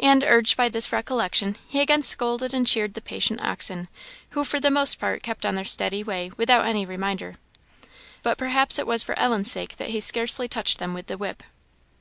And urged by this recollection, he again scolded and cheered the patient oxen, who for the most part kept on their steady way without any reminder. But perhaps it was for Ellen's sake that he scarcely touched them with the whip.